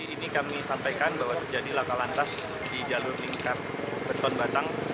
ini kami sampaikan bahwa terjadi lakalan tas di jalur lingkar beton batang